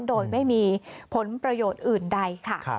โดยไม่มีผลประโยชน์อื่นใดค่ะ